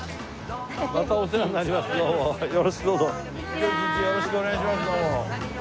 今日一日よろしくお願いします。